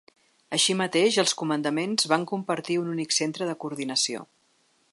Així mateix, els comandaments van compartir un únic centre de coordinació.